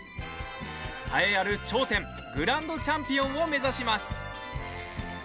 栄えある頂点グランドチャンピオンを目指します。